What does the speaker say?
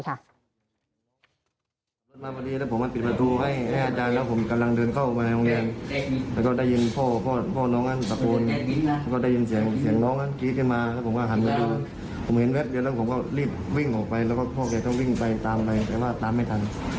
แล้วก็รีบวิ่งออกไปแล้วก็พ่อแกต้องวิ่งไปตามไปแต่ว่าตามไม่ทัน